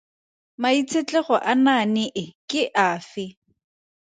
Maitshetlego a naane e ke afe?